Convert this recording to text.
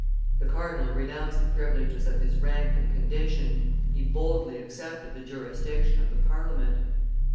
The cardinal renounced the privileges of his rank and condition; he boldly accepted the jurisdiction of the Parliament.